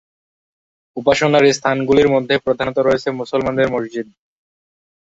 উপাসনার স্থানগুলির মধ্যে প্রধানত রয়েছে মুসলমানদের মসজিদ।